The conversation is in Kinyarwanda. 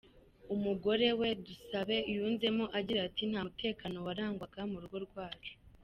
Umugore we, Dusabe, yunzemo agira ati: "Nta mutekano warangwaga mu rugo rwacu.